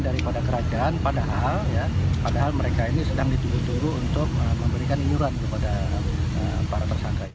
daripada kerajaan padahal mereka ini sedang dituduh tuduh untuk memberikan inuran kepada para tersangka